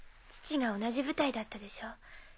父が同じ部隊だったでしょう？